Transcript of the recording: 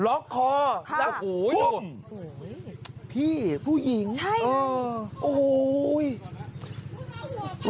ล็อกคอค่ะแล้วทุ่มโอ้โหพี่ผู้หญิงใช่อ่าโอ้โห